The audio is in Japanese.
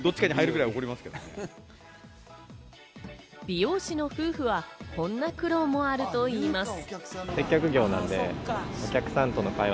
美容師の夫婦は、こんな苦労もあるといいます。